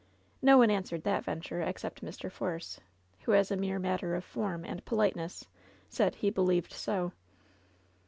No one answered that venture except Mr. Force, who, as a mere matter of form and politeness, said he believed so.